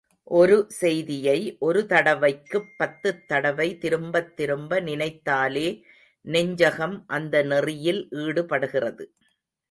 ஒரு செய்தியை ஒரு தடவைக்குப் பத்துத் தடவை திரும்பத் திரும்ப நினைந்தாலே நெஞ்சகம் அந்த நெறியில் ஈடுபடுகிறது.